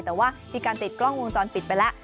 แต่ว่ามีการติดกล้องวงจรปิดไปแล้ว